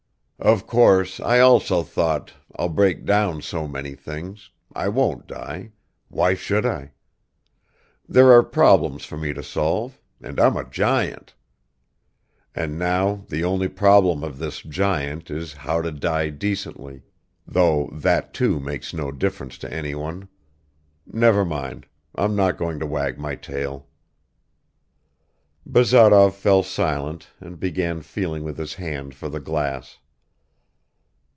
Of course I also thought, I'll break down so many things, I won't die, why should I? There are problems for me to solve, and I'm a giant! And now the only problem of this giant is how to die decently, though that too makes no difference to anyone ... Never mind; I'm not going to wag my tail." Barazov fell silent and began feeling with his hand for the glass.